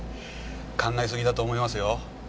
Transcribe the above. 考えすぎだと思いますよ。